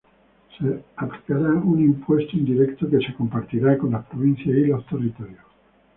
Se aplicará un impuesto indirecto, que se compartirá con las provincias y los territorios.